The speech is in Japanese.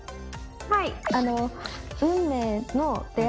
はい。